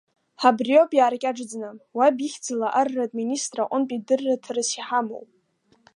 Абриоуп иааркьаҿӡаны, уаб ихьӡала Арратә Министрра аҟынтәи дырраҭарас иҳамоу.